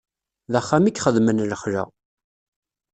D axxam i ixedmen lexla.